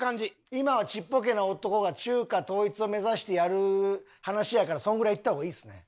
今はちっぽけな男が中華統一を目指してやる話やからそんぐらいいった方がいいっすね。